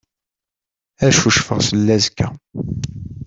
Ad cucfeɣ seldazekka.